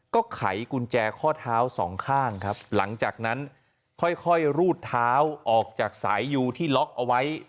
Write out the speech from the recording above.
ก็ไขกุญแจข้อเท้าสองข้างครับหลังจากนั้นค่อยรูดเท้าออกจากสายยูที่ล็อกเอาไว้